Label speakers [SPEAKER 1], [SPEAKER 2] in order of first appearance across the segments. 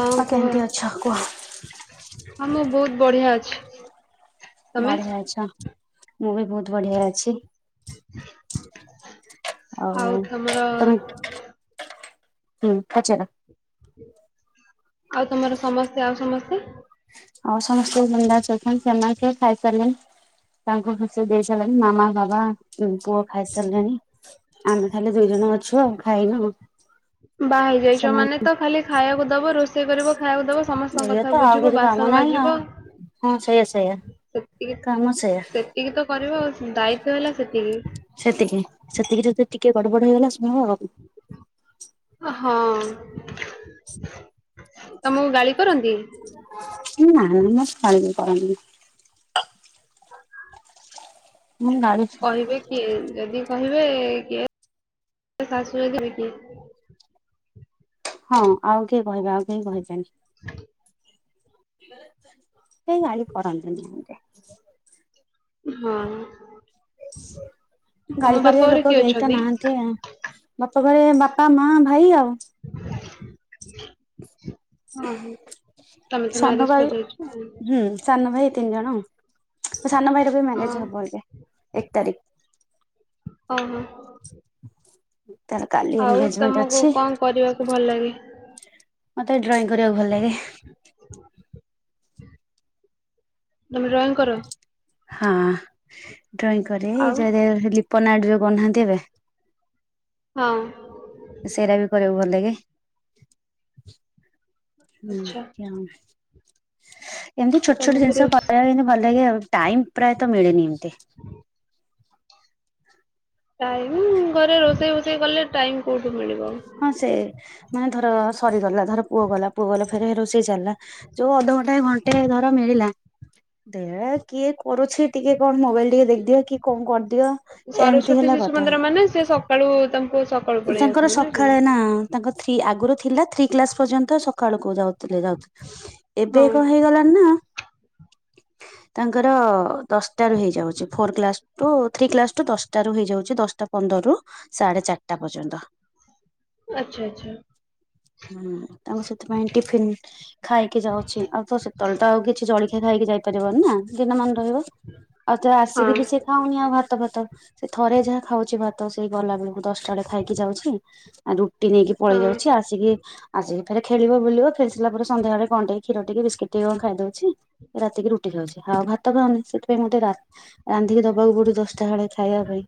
[SPEAKER 1] ହଁ
[SPEAKER 2] ଆଉ
[SPEAKER 1] କୁହ।
[SPEAKER 2] କେମିତି ଅଛ କୁହ?
[SPEAKER 1] ହଁ ମୁଁ ବହୁତ ବଢିଆ ଅଛି। ତମେ?
[SPEAKER 2] ବଢିଆ ଅଛ। ମୁଁ ବି ବହୁତ ବଢିଆ ଅଛି। ଆଉ ତମେ ହୁଁ ପଚାର।
[SPEAKER 1] ଆଉ ତମର ସମସ୍ତେ ଆଉ ସମସ୍ତେ।
[SPEAKER 2] ଆଉ ସମସ୍ତେ ବିନ୍ଦାସ ଅଛନ୍ତି ସେମାନେ ସେ ଖାଇସାରିଲେଣି। ତାଙ୍କୁ ଖୁସି ଦେଇ ସାରିଲାଣି ମାମା, ବାବା, ଉଁ ପୁଅ ଖାଇସାରିଲେଣି। ଆମେ ଖାଲି ଦୁଇ ଜଣ ଅଛୁ ଆଉ ଖାଇନୁ।
[SPEAKER 1] ବା ହେଇ ଯାଇଛ ମାନେ
[SPEAKER 2] ସେମାନେ
[SPEAKER 1] ତ ଖାଲି ଖାଇବାକୁ ଦବ ରୋଷେଇ କରିବ ଖାଇବାକୁ ଦବ ସମସ୍ତଙ୍କ
[SPEAKER 2] ଇଏ ତ
[SPEAKER 1] କଥା
[SPEAKER 2] ଆଉ
[SPEAKER 1] ବୁଝିବ
[SPEAKER 2] କିଛି କାମ
[SPEAKER 1] ବାସନ
[SPEAKER 2] ନାହିଁ ଆଉ।
[SPEAKER 1] ମାଜିବ।
[SPEAKER 2] ହଁ ସେଇଆ ସେଇଆ
[SPEAKER 1] ସେତିକି
[SPEAKER 2] କାମ ସେଇଆ
[SPEAKER 1] ସେତିକି ତ କରିବ ଆଉ ଦାୟିତ୍ଵ ହେଲା ସେତିକି।
[SPEAKER 2] ସେତିକି ସେତିକି ଯଦି ଟିକେ ଗଡବଡ ହେଇଗଲା ଶୁଣିବ
[SPEAKER 1] ହଁ। ତମକୁ ଗାଳି କରନ୍ତି।
[SPEAKER 2] ନା ନା ଗାଳି କର [unintelligible] ମୁଁ ଗାଳି
[SPEAKER 1] କହିବେ କିଏ ଯଦି କହିବେ କିଏ ଶାଶୁ [unintelligible] କିଏ।
[SPEAKER 2] ହଁ ଆଉ କିଏ କହିବେ ଆଉ କେହି କହିବେନି। କେହି ଗାଳି କରନ୍ତିନି ମତେ।
[SPEAKER 1] ହଁ।
[SPEAKER 2] ଗାଳି
[SPEAKER 1] ତମ ବାପ
[SPEAKER 2] କରିବା
[SPEAKER 1] ଘରେ
[SPEAKER 2] ଲୋକ
[SPEAKER 1] କିଏ
[SPEAKER 2] କେହି ତ
[SPEAKER 1] ଅଛନ୍ତି?
[SPEAKER 2] ନାହାନ୍ତି ଆଉ ବାପ ଘରେ ବାପା, ମା, ଭାଇ ଆଉ।
[SPEAKER 1] [unintelligible] ଅ ହୁଁ ତମେ ତ ମ୍ୟାରେଜ
[SPEAKER 2] ସାନ ଭାଇ
[SPEAKER 1] କରିଯାଇଛ [inaudible]
[SPEAKER 2] ହୁଁ ସାନ ଭାଇ ତିନି ଜଣ। ସାନ ଭାଇର ବି
[SPEAKER 1] ହଁ
[SPEAKER 2] ମ୍ୟାରେଜ ହବ ଏବେ ଏକ ତାରିଖ।
[SPEAKER 1] ଓହୋ।
[SPEAKER 2] ତାର କାଲି
[SPEAKER 1] ଆଉ
[SPEAKER 2] ଏନଗେଜମେଣ୍ଟ
[SPEAKER 1] ତମକୁ
[SPEAKER 2] ଅଛି
[SPEAKER 1] କଣ କରିବାକୁ ଭଲ ଲାଗେ?
[SPEAKER 2] ମତେ ଡ୍ରଇଂ କରିବାକୁ ଭଲ ଲାଗେ।
[SPEAKER 1] ତମେ ଡ୍ରଇଂ କର?
[SPEAKER 2] ହଁ ଡ୍ରଇଂ କରିରେ
[SPEAKER 1] ଆଉ
[SPEAKER 2] ଯ ଲିପନ ଆଟ ଯୋଉ କରନାହାନ୍ତି ଏବେ
[SPEAKER 1] ହଁ।
[SPEAKER 2] ସେଇଟା ବି କରିବାକୁ ଭଲ ଲାଗେ। ହୁଁ
[SPEAKER 1] ଆଚ୍ଛା
[SPEAKER 2] ଏମିତି
[SPEAKER 1] ତ
[SPEAKER 2] ଛୋଟ ଛୋଟ
[SPEAKER 1] ତମକୁ
[SPEAKER 2] ଜିନିଷ
[SPEAKER 1] ରୋଷ୍
[SPEAKER 2] କରିବା ଭଲ ଲାଗେ ଆଉ ଟାଇମ୍ ପ୍ରାୟତ ମିଳେନି ଏମିତି।
[SPEAKER 1] ଟାଇମ ଘରେ ରୋଷେଇ ଫୋଷେଇ କଲେ ଟାଇମ କୋଉଠୁ ମିଳିବ।
[SPEAKER 2] ହଁ ସେ ମାନେ ଧର ସରିଗଲା ଧର ପୁଅ ଗଲା। ପୋଗଲ ଫେର ରୋଷେଇ ଚାଲିଲା ଯୋଉ ଅଧଘଣ୍ଟା ଘଣ୍ଟେ ଧର ମିଳିଲା। ଦେ କିଏ? କରୁଛି ଟିକେ କଣ ମୋବାଇଲ ଟିକେ ଦେଖିଦିଅ କି କଣ କରିଦିଅ ଏମିତି ହେଲା କଥା।
[SPEAKER 1] ନା ସେ ସକାଳୁ ତାଙ୍କୁ ସକାଳୁ ପଳେଇ
[SPEAKER 2] ତାଙ୍କର
[SPEAKER 1] ଆଶୁଥିବ ନା କି।
[SPEAKER 2] ସକାଳେ ତାଙ୍କ ଥ୍ରୀ ଆଗରୁ ଥିଲା ଥ୍ରୀ କ୍ଲାସ ପର୍ଯ୍ୟନ୍ତ ସକ୍ ସକାଳକୁ ଯାଉଥିଲେ ଯାଉଥିଲେ ଏବେ କଣ ହେଇଗଲାଣି ନା
[SPEAKER 1] ହ।
[SPEAKER 2] ତାଙ୍କର ଦଶଟା ରୁ ହେଇଯାଉଛି four class two three class two ଦଶଟା ରୁ ହେଇଯାଉଛି ଦଶଟା ପନ୍ଦରରୁ ସାଢ଼େ ଚାରିଟା ପର୍ଯ୍ୟନ୍ତ।
[SPEAKER 1] ଆଚ୍ଛା ଆଚଛା।
[SPEAKER 2] ହୁଁ ତାଙ୍କୁ ସେଥିପାଇଁ ଟିଫିନ ଖାଇକି ଯାଉଛି ଆଉ ତ ସେତବେଳେ ତ ଆଉ କିଛି ଜଳଖଆ ଖାଇକି ଯାଇପାରିବନି ନା। ଦିନ ମାନ ରହିବ ଆଉ ତା
[SPEAKER 1] ହଁ
[SPEAKER 2] ଆସିକି ବି ସେ। ଖାଉନି ଆଉ ଭାତ ଭାତ ସେ ଥରେ ଯାହା ଖାଉଛି ଭାତ ସେଇ ଗଲାବେେଳକୁ ଦଶ ଥରେ ଖାଇକି ଯାଉଛି ଆ ରୁଟି ନେଇକି
[SPEAKER 1] ହଁ
[SPEAKER 2] ପଳେଇ ଯାଉଛି ଆସିକି ଆସିକି ଫେରେ ଖେଳିବ ବୁଳିବ ଫେ ଆସିଲା ପରେ ସଂଧ୍ଯାବେଳେ କଣଟେ କ୍ଷୀର ଟିକେ ବିସ୍କୁଟ ଟିକେ କଣ ଖାଇ ଦେଉଛି ରାତିକି ରୁଟି ଖାଉଛି ଆଉ ଭାତ ଖାଉନି ସେଥିପାଇଁ ମୁଁ ଟିକେ ରା ରାନ୍ଧିକି ଦବାକୁ ପଡୁ ଦଶଟା ବେଳେ ଖାଇବା ପାଇଁ।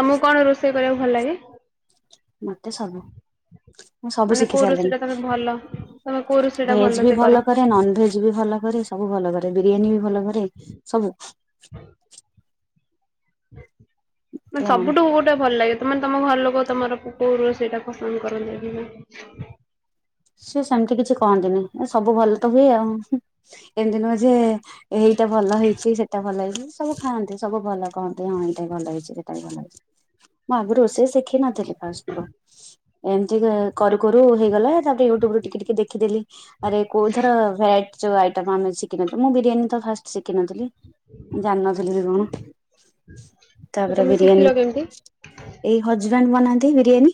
[SPEAKER 1] ତମକୁ କଣ ରୋଷେଇ କରିବାକୁ ଭଲ ଲାଗେ?
[SPEAKER 2] ମତେ ସବୁ। ମୁଁ ସବୁ
[SPEAKER 1] ମାନେ
[SPEAKER 2] ଶିଖି
[SPEAKER 1] କୋଉ ରୋଷେଇ ଟା ତମେ ଭଲ ତମେ କୋଉ
[SPEAKER 2] ସାରିଲିଣି
[SPEAKER 1] ରୋଷେଇ ଟା
[SPEAKER 2] ଭେଜ ବି
[SPEAKER 1] ଭଲସେ କର?
[SPEAKER 2] ଭଲ କରେ ନନ ଭେଜ ଜି ବି ଭଲ କରେ ସବୁ ଭଲ କରେ ବିରିୟାନୀ ବି ଭଲ କରେ ସବୁ।
[SPEAKER 1] ମାନେ
[SPEAKER 2] ଆଉ
[SPEAKER 1] ସବୁଠୁ କୋଉଟା ଭଲ ଲାଗେ? ମାନେ ତମ ଘର ଲୋକ ତମର କୋଉ ରୋଷେଇଟା ପସନ୍ଦ କରନ୍ତି?
[SPEAKER 2] ସିଏ ସେମିତି କିଛି କହନ୍ତିନି ସବୁ ଭଲ ତ ହୁଏ ଆଉ ଏମିତି ନୁହେଁ ଯେ ଏଇଟା ଭଲ ହେଇଛି ସେଇଟା ଭଲ ହେଇଛି ସବୁ ଖାଆନ୍ତି ସବୁ ଭଲ। କହନ୍ତି ହଁ ଏଇଟା ଭଲ ହେଇଛି ସେଟ ଭଲ ହେଇଛି ମୁଁ ଆଗରୁ ରୋଷେଇ ଶିଖିନଥିଲି ଫଷ୍ଟରୁ। ଏମିତି କରୁ କରୁ ହେଇଗଲା। ତାପରେ ୟୁଟୁବୁରୁ ଟିକେ ଟିକେ ଦେଖି ଦେଲି ଆରେ କୋଉ ଥର ଭାଟ ଯୋଉ ଆଇଟମ୍ ଆମେ ଶିଖିନଥିଲୁ ମୁଁ ବିରିୟାନୀ ତ ଫାଷ୍ଟ ଶିଖିନଥିଲି। ଜାଣିନଥିଲି ବି କଣ
[SPEAKER 1] ତ
[SPEAKER 2] ତାପରେ
[SPEAKER 1] ତମେ ଶିଖିଲ
[SPEAKER 2] ବିରିୟାନୀ
[SPEAKER 1] କେମିତି?
[SPEAKER 2] ଏଇ ହଜବାଣ୍ଡ ବନାନ୍ତି ବିରିୟାନୀ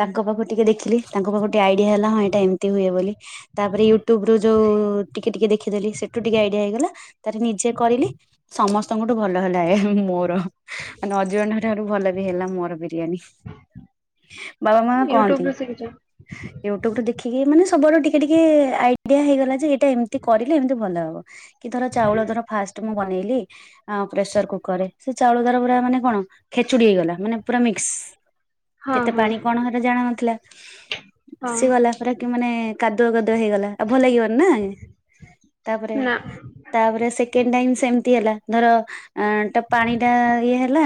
[SPEAKER 2] ତାଙ୍କ ପାଖକୁ ଟିକେ ଦେଖିଲି ତାଙ୍କ ପାଖ ଆଇଡିଆ ହେଲା ହଁ ଏଇଟା ଏମିତି ହୁଏ ବୋଲି। ତାପରେ ୟୁଟ୍ୟୁବ ରୁ ଯୋଉ ଟିକେ ଟିକେ ଦେଖିଦେଲି ସେଠୁ ଟିକେ ଆଇଡିଆ ହେଇଗଲା। ତାରେ ନିଜେ କରିଲି ସମସ୍ତଙ୍କଠୁ ଭଲ ହେଲା ଏ ମୋର ମାନେ ହଜବ୍ୟାଣ୍ଡ କଂ ଠାରୁ ଭଲ ବି ହେଲା ମୋର ବିରିୟାନୀ। ବାବା ମା କହନ୍ତି।
[SPEAKER 1] ୟୁଟ୍ୟୁବରୁ ଶିଖିଛ
[SPEAKER 2] ୟୁଟ୍ୟୁବ ରୁ ଦେଖିକି ମାନେ ସବୁଆଡୁ ଟିକେ ଟିକେ ଆଇଡିଆ ହେଇଗଲା ଯେ ଟା ଏମିତି କରିଲେ ଏମିତି ଭଲ ହବ କି ଧର ଚାଉଳ ଧର ଫାଷ୍ଟ ମୁଁ ବନେଇଲି ହଁ ପ୍ରେସର କୁକର ରେ ସେ ଚାଉଳ ଦ୍ୱାରା ପୁରା ମାନେ କଣ ଖେଚୁଡି ହେଇଗଲା ମାନେ ପୁରା ମିକ୍ସ
[SPEAKER 1] ହଁ
[SPEAKER 2] କେତେ
[SPEAKER 1] ହଁ
[SPEAKER 2] ପାଣି କଣ ହେଲେ ଜଣା ନଥିଲା।
[SPEAKER 1] ହଁ
[SPEAKER 2] ସିଏ ଗଲା ପୁରା କି ମାନେ କାଦୁଆ କାଦୁଆ ହେଇଗଲା। ଆଉ ଭଲ ଲାଗିବନି ନା ତାପରେ
[SPEAKER 1] ନା
[SPEAKER 2] ତାପରେ ସେକେଣ୍ଡ ଟାଇମ ସେମତି ହେଲା ଧର ଅ ତ ପାଣି ଟା ଇଏ ହେଲା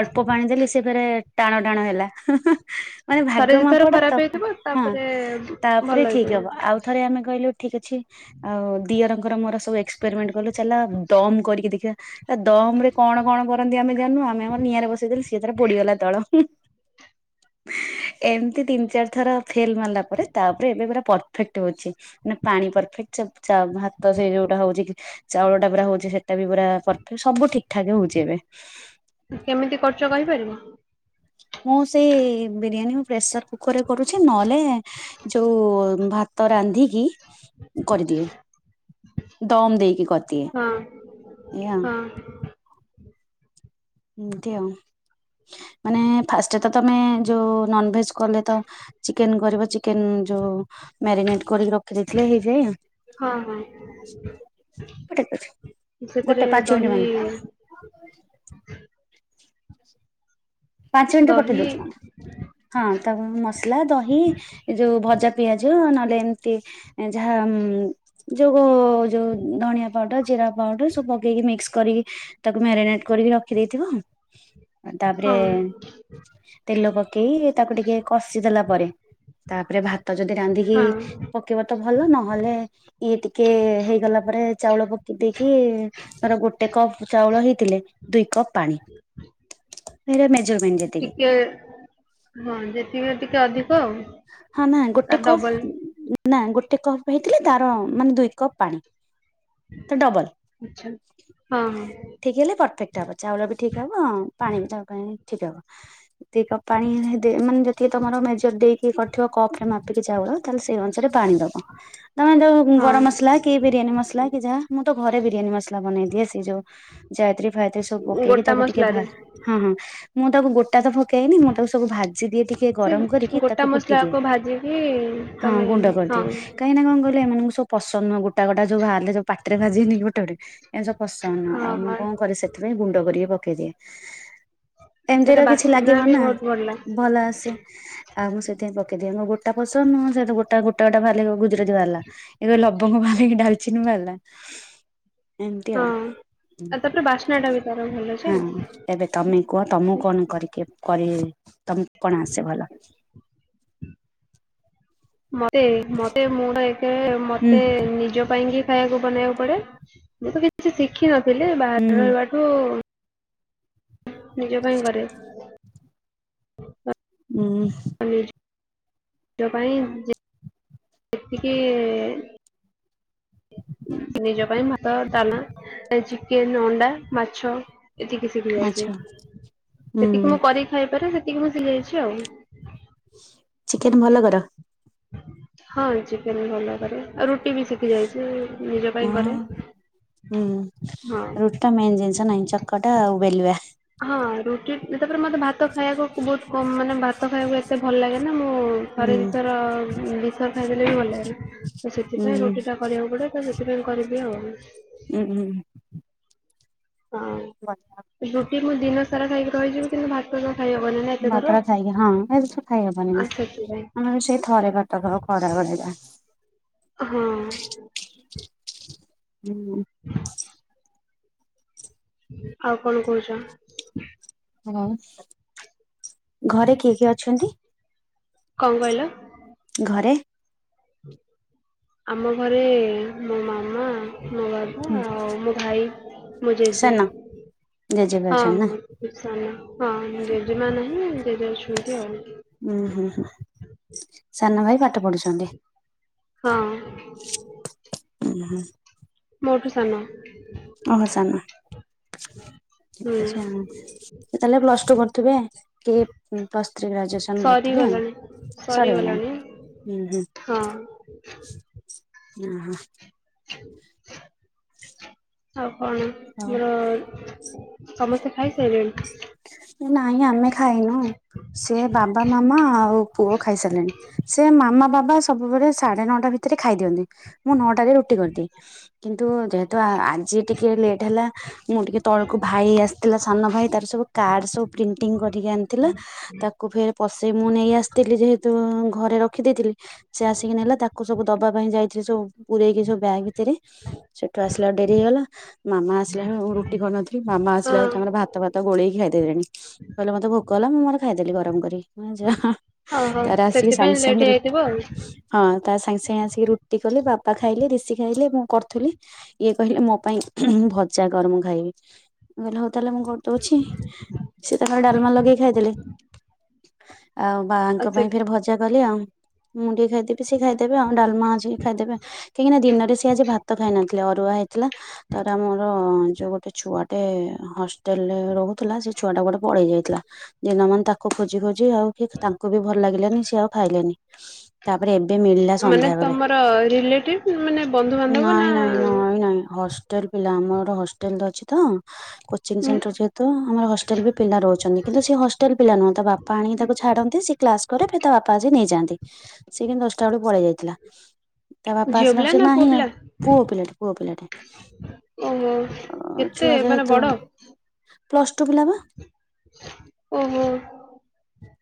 [SPEAKER 2] ଅଳ୍ପ ପାଣି ଦେଲି ସିଏ ଫେରେ ଟାଣ ଟାଣ ହେଲା। ମାନେ
[SPEAKER 1] ଥରେ
[SPEAKER 2] ଭାଗ
[SPEAKER 1] ଦିଥର
[SPEAKER 2] ମାପଟା
[SPEAKER 1] ଖରାପ
[SPEAKER 2] ତ,
[SPEAKER 1] ହେଇଥିବ
[SPEAKER 2] ହଁ
[SPEAKER 1] ତାପରେ ଭଲ
[SPEAKER 2] ତାପରେ ଠିକ
[SPEAKER 1] ହେଇଥିବ।
[SPEAKER 2] ହବ ଆଉ ଥରେ ଆମେ କହିଲୁ ଠିକ୍ ଅଛି ଆଉ ଦିଅରଙ୍କର ମୋର ସବୁ ଏକ୍ସପେରିମେଣ୍ଟ କଲୁ ଚାଲ ଦମ୍ କରିକି ଦେଖିବା। ଆ ଦମ ରେ କଣ କଣ କରନ୍ତି ଆମେ ଜାଣିନୁ ଆମେ ଆମର ନିଆଁରେ ବସେଇ ଦେଲୁ ସିଏ ତାର ପୋଡିଗଲା ତଳ। ଏମିତି ତିନି ଚାରି ଥର ଫେଲ ମାରିଲା ପରେ ତାପରେ ଏବେ ପୁରା ପରଫେକ୍ଟ ହଉଛି ମାନେ ପାଣି ପରଫେକ୍ଟ ସ ଚା ଭାତ ସେଇ ଯୋଉଟା ହଉଛି କି ଚାଉଳ ଟା ପୁରା ହଉଛି ସେଇଟା ବି ପୁରା ପର ସବୁ ଠିକ ଠାକ ହଉଛି ଏବେ।
[SPEAKER 1] କେମିତି କରୁଚ୍ କହିପାରିବ?
[SPEAKER 2] ମୁଁ ସେଇ ବିରିୟାନୀ କୁ ପ୍ରେସର କୁକର ରେ କରୁଛି ନହେଲେ ଯୋଉ ଭାତ ତ ରାନ୍ଧିକି କରିଦିଏ ଦମ ଦେଇକି କରିଦିଏ
[SPEAKER 1] ହଁ
[SPEAKER 2] ଏୟା ଆଉ।
[SPEAKER 1] ହଁ
[SPEAKER 2] ଏମତି ଆଉ, ମାନେ ଫାଷ୍ଟ ତ ତମେ ଯୋଉ ନନଭେଜ କଲେ ତ ଚିକେନ କରିବ ଚିକେନ ଯୋଉ ମ୍ୟାରିନେଟ କରିକି ରଖ ଦେଖିଲେ ହେଇଯାଇ ଆଉ
[SPEAKER 1] ହଁ ହଁ
[SPEAKER 2] ଡାକୁଚି,
[SPEAKER 1] ସେଥିରେ
[SPEAKER 2] ଗୋଟେ ପାଞ୍ଚ
[SPEAKER 1] ଦହି
[SPEAKER 2] ମିନିଟ ମାମ ପାଞ୍ଚ ମିନିଟ ରେ ପଠେଇ
[SPEAKER 1] ଦହି
[SPEAKER 2] ଦଉଛି ମାମ। ହଁ ତାପରେ ମସଲା ଦହି ଏ ଯୋଉ ଭଜା ପିଆଜ ନହେଲେ ଏମିତି ଯାହା ଉମ ଯୋଉ ଗୋ ଯୋଉ ଧଣିଆ ପାଉଡର, ଜିରା ପାଉଡର ସବୁ ପକେଇକି ମିକ୍ସ କରିକି ତାକୁ ମ୍ୟାରିନେଟ କରିକି ରଖିଦେଇଥିବ। ଏ
[SPEAKER 1] ହଁ
[SPEAKER 2] ତେଲ ପକେଇ ତାକୁ ଟିକେ କଷିଦେଲା ପରେ ତାପରେ ଭାତ୍ ତ ଯଦି ରାନ୍ଧିକି
[SPEAKER 1] ହଁ
[SPEAKER 2] ପକେଇବ ତ ଭଲ ନହେଲେ ଇଏ ଟିକେ ହେଇଗଲା ପରେ ଚାଉଳ ପକେଇ ଦେଇକି ଧର ଗୋଟେ କପ୍ ଚାଉଳ ହେଇଥିଲେ ଦୁଇ କପ୍ ପାଣି। ଧିର ମେଜରମେଣ୍ଟ। ଯେତିକି
[SPEAKER 1] ଟିକେ ହଁ ଯେତିକି ଟିକେ ଅଧିକ ଆଉ।
[SPEAKER 2] ହଁ ନା ଗୋଟେ
[SPEAKER 1] ତାର
[SPEAKER 2] କପ୍
[SPEAKER 1] ଡବଲ
[SPEAKER 2] ନା ଗୋଟେ କପ୍ ହେଇଥିଲେ ତାର ମାନେ ଦୁଇ କପ୍ ପାଣି ତ ଡବଲ।
[SPEAKER 1] ଆଚ୍ଛା ହଁ ହଁ
[SPEAKER 2] ଠିକ୍ ହେଲେ ପରଫେକ୍ଟ ହବ ଚାଉଳ ବି ଠିକ୍ ହବ ପାଣି ବି ତା ପାଇଁ ଠିକ୍ ହବ। ଦି କପ୍ ପାଣି ଦେ ମାନେ ଯେତିକି ତମର ମେଜର ଦେଇ ଇଏ କରିଥିବ କପ୍ ରେ ମାପିକି ଚାଉଳ ତାହେଲେ ସେଇ ଅନୁସାରେ ପାଣି ଦବ, ତମେ ଯୋଉ ଗରମ
[SPEAKER 1] ହଁ
[SPEAKER 2] ମସଲା କି ବିରିୟାନୀ ମସଲା କି ଯାହା ମୁଁ ତ ଘରେ ବିରିୟାନୀ ମସଲା ବନେଇଦିଏ ସେଇ ଯୋଉ ଯାୟତ୍ରୀ ଫାୟତ୍ରୀ ସବୁ ପକେଇକି
[SPEAKER 1] ଗୋଟା
[SPEAKER 2] ତାକୁ ଟିକେ ଭା
[SPEAKER 1] ମସଲାରେ
[SPEAKER 2] ହଁ ହଁ ମୁଁ ତାକୁ ଗୋଟା ତ ପକେଏନି ମୁଁ ତାକୁ ସବୁ ଭାଜି ଦିଏ ଟିକେ
[SPEAKER 1] ସେ
[SPEAKER 2] ଗରମ କରିକି
[SPEAKER 1] ଗୋଟା
[SPEAKER 2] ତାକୁ କୁଟି ଦିଏ
[SPEAKER 1] ମସଲାକୁ ଭାଜିକି ତମେ ହଁ
[SPEAKER 2] କାଁଇକି ନା କଣ କଇଲ ଏମାନଙ୍କୁ ସବୁ ପସନ୍ଦନୁହଁ ଗୋଟା ଗୋଟା ସବୁ ବାହାରିଲେ ପାଟିରେ ବାଜେନି କି ଗୋଟେ ଗୋଟେ ଏନ୍ତି ସବୁ ପସନ୍ଦନୁହଁ
[SPEAKER 1] ହଁ
[SPEAKER 2] ଆଉ ମୁଁ କଣ
[SPEAKER 1] ହଁ
[SPEAKER 2] କରିବି ସେ ସେଥିପାଇଁ ଗୁଣ୍ଡ କରିକି ପକେଇଦିଏ।
[SPEAKER 1] ସେଟା
[SPEAKER 2] ଏମିତିରେ କିଛି
[SPEAKER 1] ବାସ୍ନା ବି
[SPEAKER 2] ଲାଗିବନି ନା
[SPEAKER 1] ବହୁତ ଭଲ
[SPEAKER 2] ଭଲ ଆସେ। ଆଉ ମୁଁ ସେଥିପାଇଁ ପକେଇଦିଏ। ମୋ ଗୋଟା ପସନ୍ଦ ମୁଁ ଯେହେତୁ ଗୋଟା ଗୋଟା ଗୋଟା ବାଲି ଗୁଜୁରାତି ବାହାରିଲା। ଏବେ ଲବଙ୍ଗ ବାହାରିକି ଡାଲଚିନି ବାହାରିଲା ଏମିତି ଆଉ ହୁଁ।
[SPEAKER 1] ବାସ୍ନାଟା ବି ତାର ଭଲ। ଯେ
[SPEAKER 2] ହଁ ଏବେ ତମେ କୁହ ତମକୁ କଣ କରିକି କରି ତମ୍ କୁ କଣ ଆସେ ଭଲ?
[SPEAKER 1] ମତେ ମତେ ମୁଁ ତ ଏକେ
[SPEAKER 2] ହୁଁ
[SPEAKER 1] ମତେ ନିଜ ପାଇଁକି ଖାଇବାକୁ ବନେଇଆକୁ ପଡେ। ମୁଁ ତ କିଛି ଶିଖିିନଥିଲି
[SPEAKER 2] ହୁଁ
[SPEAKER 1] ବାହାରେ ରହିବାଠୁ ନିଜ ପାଇଁ କରେ।
[SPEAKER 2] ଉଁ।
[SPEAKER 1] ନିଜ ପାଇଁ ଯା ଏତିକି ନିଜ ପାଇଁ ଭା ତ, ଡାଲାମା ଏ ଚିକେନ, ଅଣ୍ଡା, ମାଛ ଏତିକି ଶିଖି ଯାଇଚି।
[SPEAKER 2] ଆଚ୍ଛା ହୁଁ
[SPEAKER 1] ସେତିକି ମୁଁ କରିିକି ଖାଇପାରେ। ସେତିକି ମୁଁ ଶିଖିଯାଇଛି ଆଉ।
[SPEAKER 2] ଚିକେନ୍ ଭଲ କର?
[SPEAKER 1] ହଁ ଚିକେନ୍ ଭଲ କରେ ଆଉ ରୁଟି ବି ଶିଖି ଯାଇଚି ନିଜ
[SPEAKER 2] ହଁ
[SPEAKER 1] ପାଇଁ କରେ।
[SPEAKER 2] ହୁଁ
[SPEAKER 1] ହଁ।
[SPEAKER 2] ରୁଟି ଟା ମେନ୍ ଜିନିଷ ନାଇଁ ଚକଟା ଆଉ ବେଲିବା।
[SPEAKER 1] ହଁ ରୁଟି ତାପରେ ମତେ ଭାତ ଖାଇବାକୁ ବୋହୁତ କମ୍ ମାନେ ଭା ତ ଖାଇବାକୁ ଏତେ ଭଲ ଲାଗେନା। ମୁଁ
[SPEAKER 2] ହୁଁ
[SPEAKER 1] ଥରେ ଦିଥର ଉଁ ଦିଥର ଖାଇଦେଲେ ବି ଭଲ ଲାଗେନି। ତ ସେଥିପାଇଁ
[SPEAKER 2] ଉଁ
[SPEAKER 1] ରୁଟିଟା କରିବାକୁ ପଡେ ତ ସେଥିପାଇଁ କରିଦିଏ ଆଉ।
[SPEAKER 2] ଉୁଁ ହୁଁ ହୁଁ।
[SPEAKER 1] ହଁ।
[SPEAKER 2] [unintelligible] ବଟର
[SPEAKER 1] ରୁଟି ମୁଁ ଦିନ ସାରା ଖାଇକି ରହିଯିବି। କିନ୍ତୁ ଭାତ ତ ଖାଇହବନି ନା। ଏତେ ଥର।
[SPEAKER 2] ଭାତଟା ଖାଇକି ହଁ ଏ ଦିଥର ଖାଇ ହବନି।
[SPEAKER 1] ଆ ସେଥିପାଇଁ
[SPEAKER 2] ଆମର ସେଇ ଥରେ ଭାତ ଖାଉ ଖରାବେଳେ ଯାହା।
[SPEAKER 1] ହୁଁ।
[SPEAKER 2] ହୁଁ।
[SPEAKER 1] [inaudible] ଆଉ କଣ କୋହୁଚ?
[SPEAKER 2] ଆଉ ଘରେ କିଏ କିଏ ଅଛନ୍ତି?
[SPEAKER 1] କଣ କହିଲ?
[SPEAKER 2] ଘରେ
[SPEAKER 1] ଆମ ଘରେ ମୋ ମାମା ମୋ ବା
[SPEAKER 2] ହୁଁ
[SPEAKER 1] ବା ଆଉ ମୋ ଭାଇ ମୋ ଜେଜେ।
[SPEAKER 2] ସାନ ଜେଜେବି
[SPEAKER 1] ହଁ
[SPEAKER 2] ଅଛନ୍ତି ନା?
[SPEAKER 1] ମୁଁ ସାନ ହଁ ଜେଜେମା ନାହିଁ ଜେଜେ ଅଛନ୍ତି ଆଉ।
[SPEAKER 2] ଉଁ ହୁଁ ହୁଁ ସାନ ଭାଇ ପାଠ ପଢୁଚନ୍ତି?
[SPEAKER 1] ହଁ।
[SPEAKER 2] ଉଁ ହୁଁ।
[SPEAKER 1] ମୋଠୁ ସାନ।
[SPEAKER 2] ଓହୋ ସାନ
[SPEAKER 1] ହୁଁ
[SPEAKER 2] ଆଚ୍ଛା ସିଏ ତାହେଲେ ପ୍ଲସ ଟୁ କରୁଥିବେ। କି ପ୍ଲସ୍ ଥ୍ରୀ ଗ୍ରାଜୁଏସନ୍ କରୁଥିବେ ଆଉ
[SPEAKER 1] ସରିଗଲାଣି
[SPEAKER 2] ସରିଗଲାଇଁ।
[SPEAKER 1] ସରିଗଲାଣି
[SPEAKER 2] ଉଁ ହୁଁ
[SPEAKER 1] ହଁ
[SPEAKER 2] ଆଁ ହଁ।
[SPEAKER 1] ଆଉ କଣ ମୋର
[SPEAKER 2] ହଉ
[SPEAKER 1] [unintelligible] ସମସ୍ତେ ଖାଇସାଇଲେଣି?
[SPEAKER 2] ନାଇଁ, ଆମେ ଖାଇନୁ! ସେ ବାବା ମାମା ଆଉ ପୁଅ ଖାଇସାରିଲେଣି। ସେ ମାମା ବାବା ସବୁବେଳେ ସାଢେ ନଅଟା ଭିତରେ ଖାଇ ଦିଅନ୍ତି, ମୁଁ ନଅଟାରେ ରୁଟି କରିଦିଏ। କିନ୍ତୁ, ଯେହେତୁ ଆଜି ଟିକେ ଲେଟ୍ ହେଲା। ମୁଁ ଟିକେ ତଳକୁ ଭାଇ ଆସିଥିଲା ସାନ ଭାଇ, ତାର ସବୁ କାର୍ଡ ସବୁ ପ୍ରିଣ୍ଟିଙ୍ଗ୍ କରିକି ଆଣିଥିଲା। ତାକୁ ଫେରେ ପଶେଇ, ମୁଁ ନେଇ ଆସିଥିଲି ଯେହେତୁଁ, ଘରେ ରଖ୍ ରଖି ଦେଇଥିଲି, ସେ ଆସିକି ନେଲା। ତାକୁ ସବୁ ଦବା ପାଇଁ ଯାଇଥିଲି, ସବୁ ପୁରେଇକି ସବୁ ବ୍ୟାଗ୍ ଭିତରେ। ସେଠୁ ଆସିଲା ଡେରି ହେଇଗଲା। ମାମା ଆସିଲା ବେଳୁ ରୁଟି କରିନଥିଲି। ମାମା
[SPEAKER 1] ହଁ
[SPEAKER 2] ଆସିଲା ବେଳୁ ତାଙ୍କର ଭାତ, ଫାତ ଗୋଳେଇକି ଖାଇଦେ [unintelligible] କହିଲେ ମତେ ଭୋକ ହେଲା, ମୁଁ ମୋର ଖାଇଦେଲି ଗରମ କରି। ଯାହା
[SPEAKER 1] ଓହୋ
[SPEAKER 2] ତାରେ, ଆସିକି
[SPEAKER 1] ସେଥିପାଇଁ
[SPEAKER 2] ସାଙ୍ଗ୍
[SPEAKER 1] ଲେଟ୍
[SPEAKER 2] ସାଙ୍ଗେ ରୁଟି
[SPEAKER 1] ହେଇଯାଇଥିବ ଆଉ
[SPEAKER 2] ହଁ, ତା ସାଙ୍ଗେ ସାଙ୍ଗେ ଆସିକି ରୁଟି କଲି। ବାପା ଖାଇଲେ, ଋଶି ଖାଇଲେ, ମୁଁ କରୁଥିଲି। ଇଏ କହିଲେ, ମୋ ପାଇଁ ଭଜା କର, ମୁଁ ଖାଇବି। ମୁଁ କହିଲି, ହଉ, ତାହେଲେ ମୁଁ କରି ଦଉଛି। ଡାଲମା ଲଗେଇ ଖାଇଦେଲେ। ଆଉ ବା ଆଙ୍କ ପାଇଁ ଫେରେ ଭଜା କଲି ଆଉ। ମୁଁ ଟିଏ ଖାଇଦେବି। ସିଏ ଖାଇଦେବେ, ଆଉ। ଡାଲମା ଅଛି, ଖାଇଦେବେ। କାହିଁକି ନା, ଦିନରେ ସିଏ ଆଜି ଭାତ ଖାଇ ନଥିଲେ, ଅରୁଆ ହେଇଥିଲା। ତାର, ଆମର-ଅଁ ଯୋଉ ଗୋଟେ ଛୁଆଟେ ହଷ୍ଟେଲରେ ରହୁ ଥୁଲା, ସେ ଛୁଆ ଟା କୁଆଡ଼େ ପଳେଇ ଯାଇଥିଲା। ଦିନମାନ ତାକୁ ଖୋଜି ଖୋଜି ଆଉ ଠିକ୍, ତାଙ୍କୁ ବି ଭଲ ଲାଗିଲାନି, ସିଏ ଆଉ ଖାଇଲେନି। ତା'ପରେ, ଏବେ ମିଳିଲା
[SPEAKER 1] ମାନେ
[SPEAKER 2] ସନ୍ଧ୍ୟାବେଳେ।
[SPEAKER 1] ତମର ରିଲେଟିଭ ମାନେ ବନ୍ଧୁବାନ୍ଧବ
[SPEAKER 2] ନାଇଁ,
[SPEAKER 1] ନା
[SPEAKER 2] ନାଇଁ, ନାଇଁ, ନାଇଁ, ହଷ୍ ହଷ୍ଟେଲ ପିଲା। ଆମର ହଷ୍ଟେଲରେ ଅଛି ତ, କୋଚିଂ
[SPEAKER 1] ଉଁ
[SPEAKER 2] ସେଣ୍ଟର ଯେ ତ ଆମର ହଷ୍ଟେଲ ବି ପିଲା ରହୁଛନ୍ତି, କିନ୍ତୁ ସେ ହଷ୍ଟେଲ ପିଲା ନୁହଁ। ତ ବାପା ଆଣିକି ତାକୁ ଛାଡନ୍ତି, ସେ କ୍ଲାସ୍ କରେ, ଫେର୍ ତା ବାପା ଆସି ନେଇଯାଆନ୍ତି। ସିଏ କିନ୍ତୁ ଦଶଟା ବେଳକୁ ପଳେଇ ଯାଇଥିଲା। ତା ବାପା
[SPEAKER 1] ଝିଅ ପିଲା
[SPEAKER 2] ଆସିଲାକୁ ସିଏ
[SPEAKER 1] ନା ପୁଅ
[SPEAKER 2] ନାହିଁ ଆ।
[SPEAKER 1] ପିଲା
[SPEAKER 2] ପୁଅ ପିଲାଟେ, ପୁଅ ପିଲାଟେ
[SPEAKER 1] ଓହୋ!
[SPEAKER 2] ଅ,
[SPEAKER 1] କେତେ ମାନେ ବଡ?
[SPEAKER 2] ପ୍ଲସ୍ ଟୁ ପିଲାବା!
[SPEAKER 1] ଓହୋ।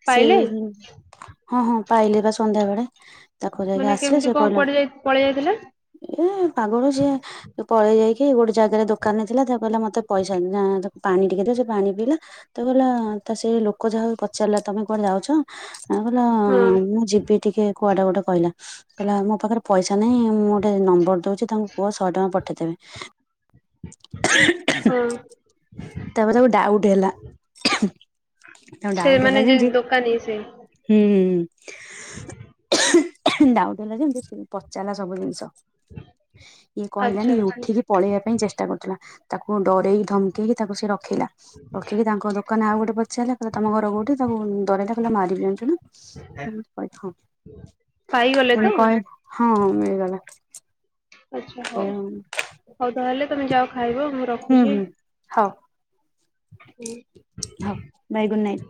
[SPEAKER 1] ପାଇଲେ
[SPEAKER 2] ସେଇ ହଁ, ହଁ, ପାଇଲେ ବା ସନ୍ଧ୍ୟାବେଳେ। ତାକୁ ଯାଇକି
[SPEAKER 1] ମାନେ
[SPEAKER 2] ଆସିଲେ,
[SPEAKER 1] କେମିତି
[SPEAKER 2] ସେ
[SPEAKER 1] କଣ
[SPEAKER 2] କହିଲା
[SPEAKER 1] କୁଆଡେ ଯାଇ ପଳେଇ ଯାଇଥିଲା
[SPEAKER 2] ଏ ପାଗଳ, ସିଏ ପଳେଇ ଯାଇକି ଗୋଟେ ଜାଗାରେ ଦୋକାନଲେ ଥିଲା, ତାକୁ କିହିଲା ମତେ ପଇସା ନା, ଦୋ ପାଣି ଟିକେ ଦିଅ, ସେ ପାଣି ପିଇଲା। ତ କହିଲା ତା ସେ ଲୋକ ଯାହାହଉ ପଚାରଲା ତମେ କୁଆଡେ ଯାଉଛ? କହିଲା,
[SPEAKER 1] ହଁ
[SPEAKER 2] ମୁଁ ଯିବି ଟିକେ କୁଆଡେ ଗୋଟେ, କହିଲା। କହିଲା, ମୋ ପାଖରେ ପଇସା ନାଇଁ। ମୁଁ ଗୋଟେ ନମ୍ବର ଦଉଛି, ତାଙ୍କୁ କୁହ, ଶହେ ଟଙ୍କା ପଠେଇଦେବେ।
[SPEAKER 1] ହଁ
[SPEAKER 2] [inaudible] ତା'ପରେ, ତାକୁ ଡାଉଟ୍ ହେଲା। ତାଙ୍କୁ
[SPEAKER 1] ସେ ମାନେ ଯେ, ଦୋକାନ ଇଏ ସେ
[SPEAKER 2] ହୁଁ, ହୁଁ, ହୁଁ।
[SPEAKER 1] ହଁ।
[SPEAKER 2] ଡାଉଟ୍ ହେଲା ଯେମତି, ସିଏ ପଚାରିଲା ସବୁ ଜିନିଷ। ଇଏ
[SPEAKER 1] ଆଚ୍ଛା
[SPEAKER 2] କହିଲାନି। ଇଏ
[SPEAKER 1] ଆଚ୍ଛା
[SPEAKER 2] ଉଠିକି ପଳେଇବା ପାଇଁ ଚେଷ୍ଟା କରୁଥିଲା। ତାକୁ ଡରେଇକି, ଧମକେଇକି ତାକୁ ସେ ରଖିଲା। ରଖିକି ତାଙ୍କ ଦୋ କହିନା ଆଉ ଗୋଟେ ପଚାରିଲା, କଇଲା ତମ ଘର କୋଉଠି? ତମ ଡରେଇଲା କହିଲା, ମାରିବି ଜାଣିଛୁନା! ମୁଁ କହେ ହଁ।
[SPEAKER 1] ପାଇଗଲେ ତ
[SPEAKER 2] ମୁଁ, କହେ ହଁ, ମିଳିଗଲା।
[SPEAKER 1] ଆଚ୍ଛା ହଉ,
[SPEAKER 2] ହୁଁ
[SPEAKER 1] ହଉ ତା, ହେଲେ ତମେ ଯାଅ ଖାଇବ। ମୁଁ
[SPEAKER 2] ହୁଁ
[SPEAKER 1] ରଖୁଛି।
[SPEAKER 2] ହୁଁ ହଉ।
[SPEAKER 1] ହୁଁ
[SPEAKER 2] ହଁ ବାଏ ଗୁଡ଼୍ ନାଇଟ।